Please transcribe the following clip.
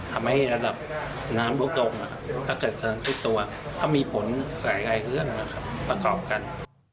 ทำให้ระดับน้ำลดลงถ้าเกิดขึ้นทุกตัวเขามีผลหลายเครื่องประกอบกัน